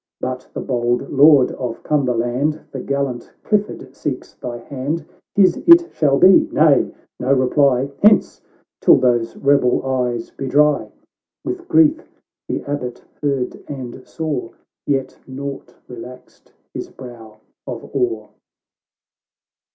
— But the bold Lord of Cumberland, The gallant Clifford, seeks thy hand ; His it shall be — Nay, no reply ! Hence ! till those rebel eyes be dry." —■ With grief the Abbot heard and saw, Yet nought relaxed his brow of awe.